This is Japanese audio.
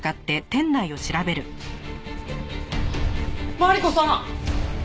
マリコさん！